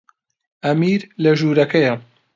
ئەمیر لە ژوورەکەیە.